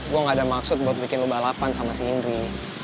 gue gak ada maksud buat bikin lo balapan sama si indri